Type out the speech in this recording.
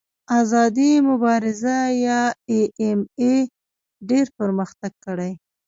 آزادې مبارزې یا ایم ایم اې ډېر پرمختګ کړی.